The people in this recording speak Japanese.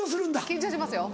緊張しますよ。